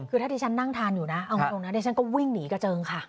คือถ้าที่ฉันนั่งทานอยู่นะเอาจริงนะดิฉันก็วิ่งหนีกระเจิงค่ะ